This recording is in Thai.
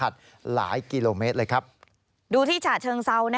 ดูที่ฉะเชิงเซา